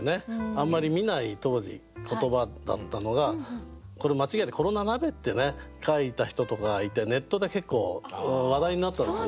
あんまり見ない当時言葉だったのがこれ間違えて「コロナ鍋」って書いた人とかがいてネットで結構話題になったんですね。